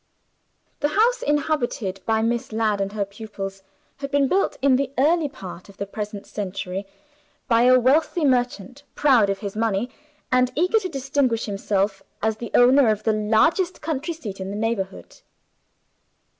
The house inhabited by Miss Ladd and her pupils had been built, in the early part of the present century, by a wealthy merchant proud of his money, and eager to distinguish himself as the owner of the largest country seat in the neighborhood.